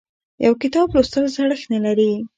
یو کتاب لوستل زړښت نه لري.